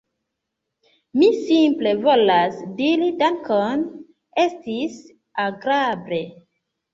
Mi simple volas diri dankon, estis agrable!